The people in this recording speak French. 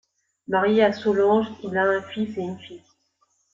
Marié à Solange, il a un fils et une fille.